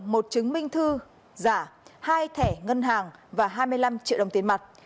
một chứng minh thư giả hai thẻ ngân hàng và hai mươi năm triệu đồng tiền mặt